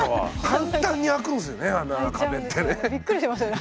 簡単に開くんすよね